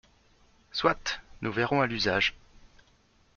Soit ! Nous verrons à l’usage.